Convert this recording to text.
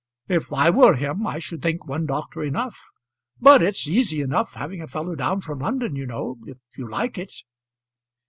"If I were him I should think one doctor enough. But it's easy enough having a fellow down from London, you know, if you like it."